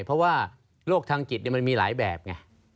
เพราะว่าโรคทางจิตมันมีหลายแบบไง